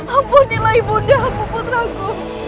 ampunilah ibu undah aku putraku